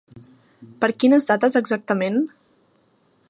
Per quines dates exactament?